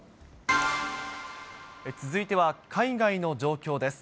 続いては海外の状況です。